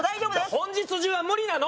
本日中は無理なの！